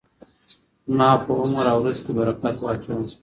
زما په عمر او رزق کې برکت واچوه.